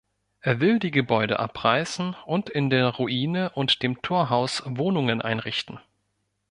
Er will die Gebäude abreißen und in der Ruine und dem Torhaus Wohnungen einrichten.